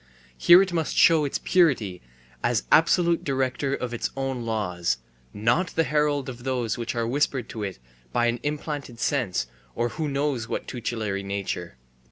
Here it must show its purity as absolute director of its own laws, not the herald of those which are whispered to it by an implanted sense or who knows what tutelary nature.